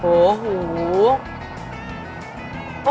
โอ้โห